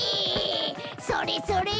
それそれ！